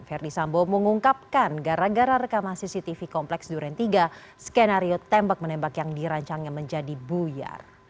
verdi sambo mengungkapkan gara gara rekaman cctv kompleks duren tiga skenario tembak menembak yang dirancangnya menjadi buyar